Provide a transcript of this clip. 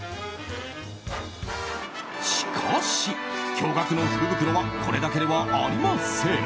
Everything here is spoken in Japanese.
しかし、驚愕の福袋はこれだけではありません！